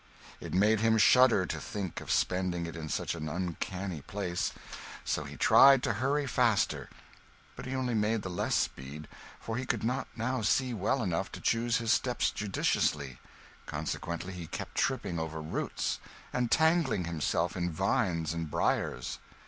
It made him shudder to think of spending it in such an uncanny place; so he tried to hurry faster, but he only made the less speed, for he could not now see well enough to choose his steps judiciously; consequently he kept tripping over roots and tangling himself in vines and briers.